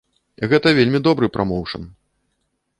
Гэта вельмі добры прамоўшн.